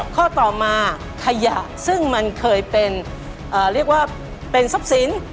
ข้อต่อมาขยะซึ่งมันเคยเป็นเรียกว่าเป็นทรัพย์สิน